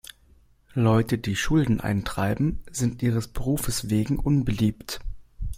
Leute, die Schulden eintreiben, sind ihres Berufes wegen unbeliebt.